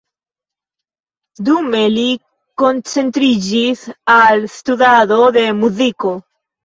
Dume, li koncentriĝis al studado de muziko.